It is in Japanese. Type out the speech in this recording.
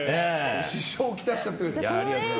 支障を来しちゃってる。